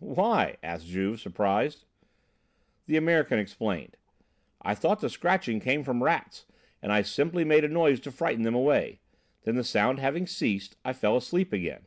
"Why?" asked Juve, surprised. The American explained: "I thought the scratching came from rats, and I simply made a noise to frighten them away. Then, the sound having ceased, I fell asleep again."